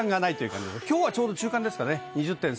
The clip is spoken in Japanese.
今日はちょうど中間ですかね。